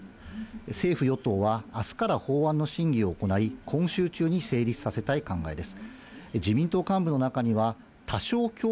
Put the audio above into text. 政府・与党は、あすから法案の審議を行い、今週中に成立させたい考えです。